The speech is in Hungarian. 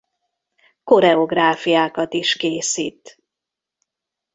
Koreográfiákat is készít.